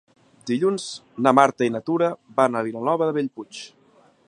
Dilluns na Marta i na Tura van a Vilanova de Bellpuig.